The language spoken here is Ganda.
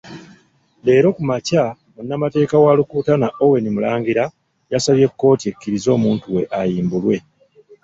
Leero ku makya, Munnamateeka wa Rukutana Owen Murangira yasabye kkooti ekkirize omuntu we ayimbulwe.